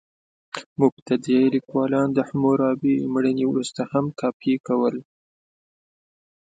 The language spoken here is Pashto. مبتدي لیکوالان د حموربي مړینې وروسته هم کاپي کول.